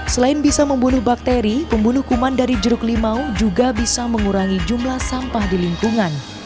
selain bisa membunuh bakteri pembunuh kuman dari jeruk limau juga bisa mengurangi jumlah sampah di lingkungan